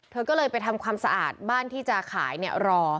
เธอก็เลยไปทำความสะอาดบ้านที่จะขายเนี่ยรอ